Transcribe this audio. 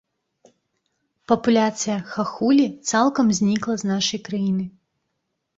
Папуляцыя хахулі цалкам знікла з нашай краіны.